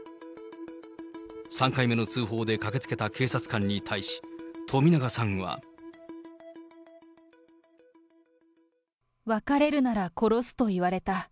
３回目の通報で駆けつけた警察官に対し、冨永さんは。分かれるなら殺すと言われた。